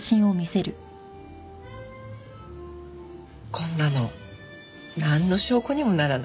こんなのなんの証拠にもならないわ。